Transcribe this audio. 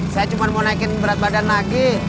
saya cuma mau naikin berat badan lagi